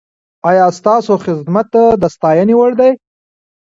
ایا ستاسو خدمت د ستاینې وړ دی؟